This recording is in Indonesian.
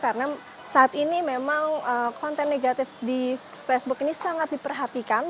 karena saat ini memang konten negatif di facebook ini sangat diperhatikan